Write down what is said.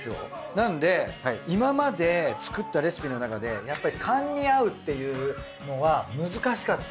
なんで今まで作ったレシピの中でやっぱり勘に合うっていうのは難しかった。